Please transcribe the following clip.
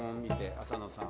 浅野さん。